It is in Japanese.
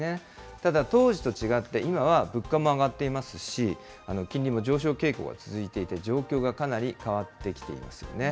ただ、当時と違って今は物価も上がっていますし、金利も上昇傾向が続いていて、状況がかなり変わってきていますよね。